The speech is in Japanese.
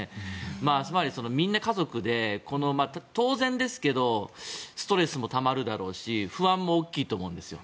つまり、みんな家族で当然ですけどストレスもたまるだろうし不安も大きいと思うんですよ。